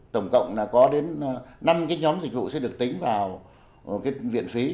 tổng cộng là có đến năm cái nhóm dịch vụ sẽ được tính vào cái viện phí